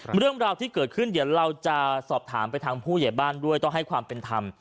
เรื่องราวที่เกิดขึ้นเดี๋ยวเราจะสอบถามไปทางผู้ใหญ่บ้านด้วยต้องให้ความเป็นธรรม